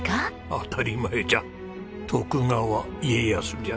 当たり前じゃ徳川家康じゃ。